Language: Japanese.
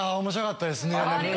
面白かったですね。